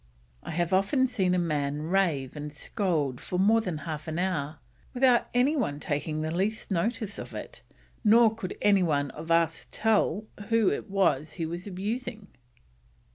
"I have often seen a man rave and scold for more than half an hour without any one taking the least notice of it, nor could any one of us tell who it was he was abusing."